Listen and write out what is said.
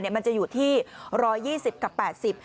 มันจะอยู่ที่๑๒๐กับ๘๐บาท